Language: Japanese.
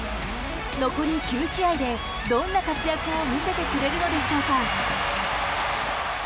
残り９試合でどんな活躍を見せてくれるのでしょうか。